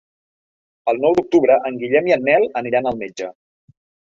El nou d'octubre en Guillem i en Nel aniran al metge.